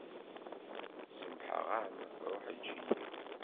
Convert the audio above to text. Semmḥeɣ-am ṛuḥ eǧǧ-iyi.